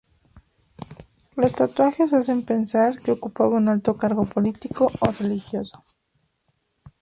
Los tatuajes hacen pensar que ocupaba un alto cargo político o religioso.